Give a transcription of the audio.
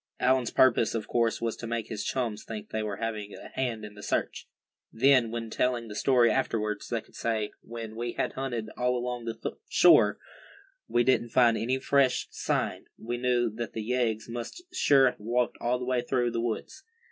Allan's purpose, of course, was to make his chums think they were having a hand in the search. Then, when telling the story afterwards, they could say "when we had hunted all along the shore, and didn't find any fresh sign, we knew that the yeggs must sure have walked all the way through the woods."